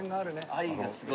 愛がすごい。